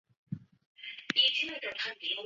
夏允彝之兄。